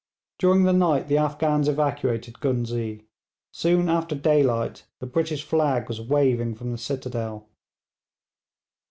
During the night the Afghans evacuated Ghuznee. Soon after daylight the British flag was waving from the citadel.